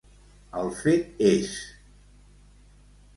El fet és.